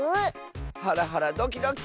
ハラハラドキドキ！